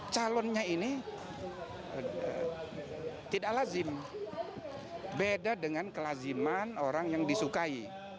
calonnya ini tidak lazim beda dengan kelaziman orang yang disukai